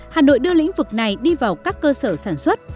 hà nội đưa lĩnh vực này đi vào các cơ sở sản xuất